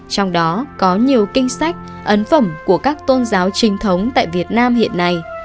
trong đó có nhiều kinh sách ấn phẩm của các tôn giáo trinh thống tại việt nam hiện nay